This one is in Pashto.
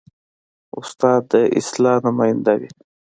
استاد د اصلاح نماینده وي.